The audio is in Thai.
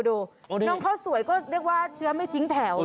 น้องข้าวสวยก็เรียกว่าเชื้อไม่ทิ้งแถว